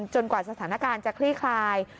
กว่าสถานการณ์จะคลี่คลาย